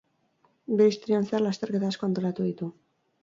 Bere historian zehar lasterketa asko antolatu ditu.